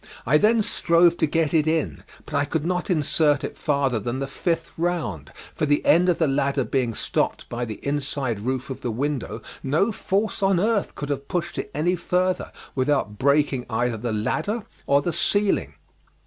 I then strove to get it in, but I could not insert it farther than the fifth round, for the end of the ladder being stopped by the inside roof of the window no force on earth could have pushed it any further without breaking either the ladder or the ceiling.